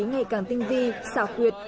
ngày càng tinh vi xảo quyệt